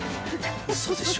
嘘でしょ？